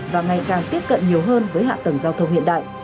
và ngày càng tiếp cận nhiều hơn với hạ tầng giao thông hiện đại